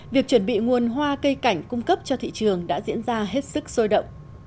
việc chuẩn bị nguồn hoa cây cảnh cung cấp cho thị trường đã diễn ra hết sức sôi động